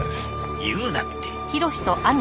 言うなって。